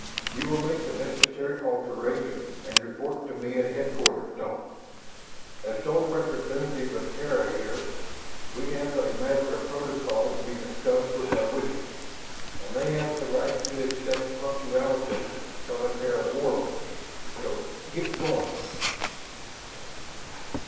You will make the necessary alteration and report to me at headquarters dome. As sole representatives of Terra here we have a matter of protocol to be discussed with our witches, and they have a right to expect punctuality from a pair of warlocks, so get going!"